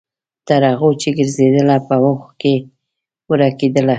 تر هغو چې ګرځیدله، په وښو کې ورکیدله